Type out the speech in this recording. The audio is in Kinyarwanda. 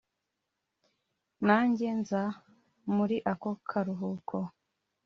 nanjye nza muri ako karuhuko